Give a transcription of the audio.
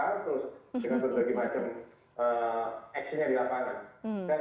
kasus dengan berbagai macam aksinya di lapangan